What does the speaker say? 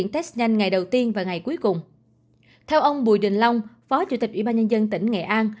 theo ông bùi đình long phó chủ tịch ủy ban nhân dân tỉnh nghệ an